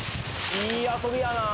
いい遊びやな